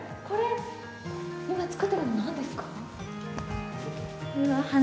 これ、今作っているの、なんですか？